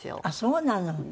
ああそうなの？